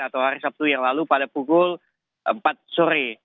atau hari sabtu yang lalu pada pukul empat sore